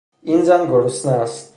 این زن گرسنه است.